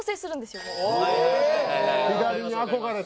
左に憧れて？